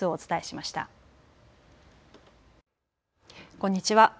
こんにちは。